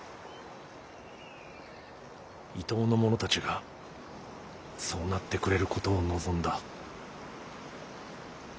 伊東の者たちがそうなってくれることを望んだ。